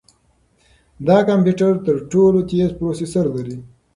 دا کمپیوټر تر ټولو تېز پروسیسر لري.